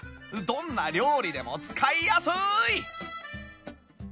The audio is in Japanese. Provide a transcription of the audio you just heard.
どんな料理でも使いやすい！